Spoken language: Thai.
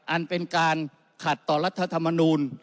อันเป็นการขัดต่อรัฐมนุน